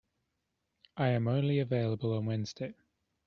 I am only available on Wednesday.